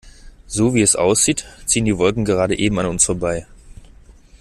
So, wie es aussieht, ziehen die Wolken gerade eben an uns vorbei.